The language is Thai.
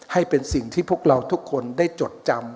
ให้เป็นสิ่งที่พวกเราทุกคนได้จดจำ